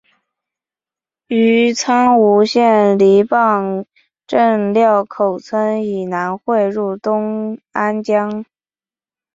于苍梧县梨埠镇料口村以南汇入东安江。